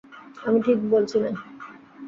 আমি ঠিক বলেছি না?